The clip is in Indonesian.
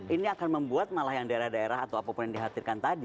ini akan membuat malah yang daerah daerah atau apapun yang dikhatikan tadi